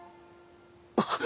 あっ！